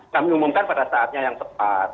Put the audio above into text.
kami umumkan pada saatnya yang tepat